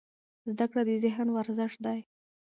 زده کړه د ذهن ورزش دی.